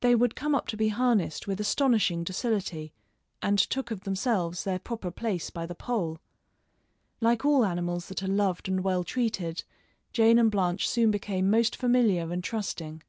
They would come up to be harnessed with astonishing docility, and took of themselves their proper place by the pole. Like all animals that are loved and well treated, Jane and Blanche soon became most familiar and trusting.